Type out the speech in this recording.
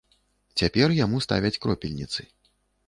Цяпер яму ставяць кропельніцы.